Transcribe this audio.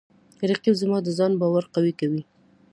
رقیب زما د ځان باور قوی کوي